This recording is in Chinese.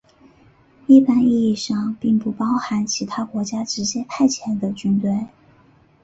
一般意义上并不包含其他国家直接派遣的军队。